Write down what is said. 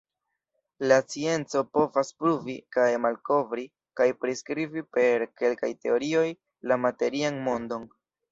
La scienco povas pruvi kaj malkovri kaj priskribi per kelkaj teorioj la materian mondon.